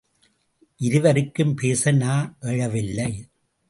இருவருக்கும் பேச நா எழவில்லை.